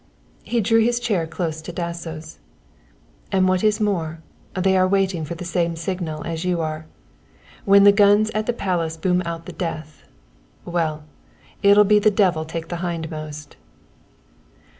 He drew his chair closer to Dasso's. "And what is more, they are waiting for the same signal as you are. When the guns at the Palace boom out the death well it'll be the devil take the hindmost."